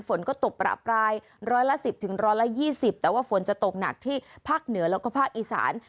ฝนก็ตกประปรายร้อยละ๑๐๑๒๐แต่ว่าฝนจะตกหนักที่ภาคเหนือแล้วก็ภาคอีสาน